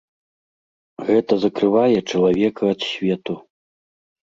Гэта закрывае чалавека ад свету.